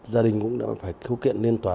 gia đình cũng đã phải thu kiện lên tòa